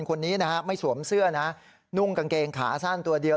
คนนี้นะฮะไม่สวมเสื้อนะนุ่งกางเกงขาสั้นตัวเดียว